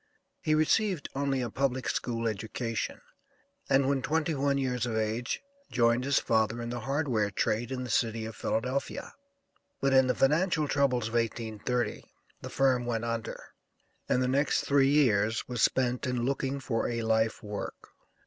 He received only a public school education, and when twenty one years of age joined his father in the hardware trade in the city of Philadelphia; but in the financial troubles of 1830, the firm went under, and the next three years was spent in looking for a life work.